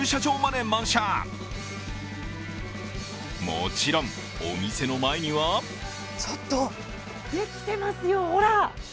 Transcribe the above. もちろん、お店の前にはちょっとできてますよ、ほら。